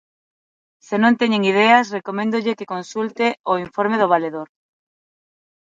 Se non teñen ideas, recoméndolle que consulte o informe do Valedor.